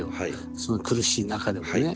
その苦しい中でもね。